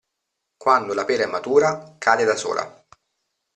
Quando la pera è matura, cade da sola.